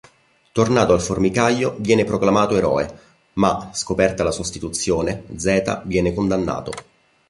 Tornato al formicaio viene proclamato eroe ma, scoperta la sostituzione, Z viene condannato.